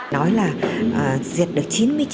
nói là diệt được chín mươi chín một